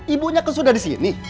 ibunya kan sudah disini